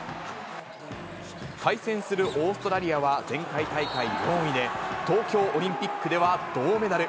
対戦するオーストラリアは前回大会４位で、東京オリンピックでは銅メダル。